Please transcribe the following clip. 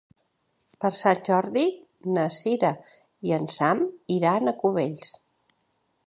Per Sant Jordi na Cira i en Sam iran a Cubells.